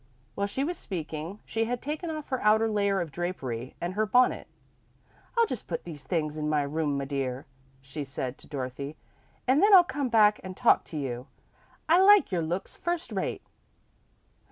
While she was speaking, she had taken off her outer layer of drapery and her bonnet. "I'll just put these things in my room, my dear," she said to Dorothy, "an' then I'll come back an' talk to you. I like your looks first rate."